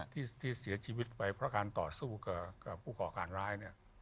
ที่เสียชีวิตไปเพราะการต่อสู้กับผู้ก่อการร้ายเนี่ย